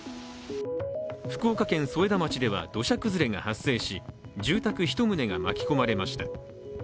福岡県添田町では土砂崩れが発生し、住宅１棟が巻き込まれました。